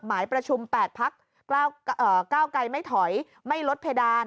หมายประชุม๘พักก้าวไกรไม่ถอยไม่ลดเพดาน